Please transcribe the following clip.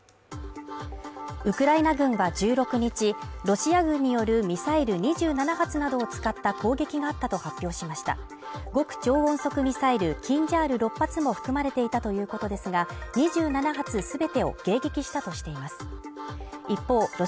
ウクライナ軍は１６日、ロシア軍によるミサイル２７発などを使った攻撃があったと発表しました極超音速ミサイルキンジャール６発も含まれていたということですが、２７発全てを迎撃したとしています。